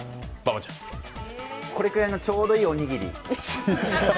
これくらいのちょうどいいおにぎり。